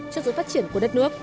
cho sự phát triển của đất nước